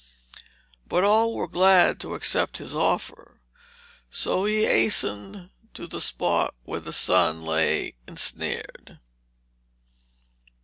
But all were glad to accept his offer, so he hastened to the spot where the sun lay ensnared.